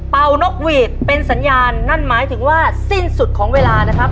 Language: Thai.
นกหวีดเป็นสัญญาณนั่นหมายถึงว่าสิ้นสุดของเวลานะครับ